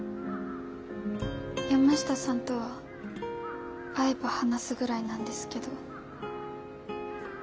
山下さんとは会えば話すぐらいなんですけど。